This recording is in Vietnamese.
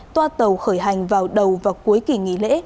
toa tàu khởi hành vào đầu và cuối kỳ nghỉ lễ